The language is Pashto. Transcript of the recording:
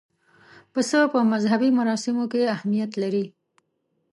پسه په مذهبي مراسمو کې اهمیت لري.